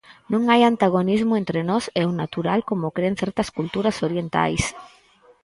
Non hai antagonismo entre nós e o natural como cren certas culturas orientais.